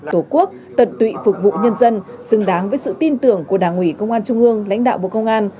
tổ quốc tận tụy phục vụ nhân dân xứng đáng với sự tin tưởng của đảng ủy công an trung ương lãnh đạo bộ công an